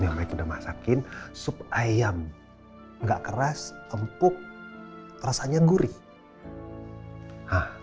yang baik udah masakin sup ayam enggak keras empuk rasanya gurih